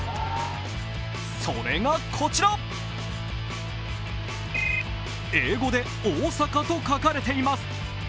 それがこちら、英語でＯＳＡＫＡと書かれています。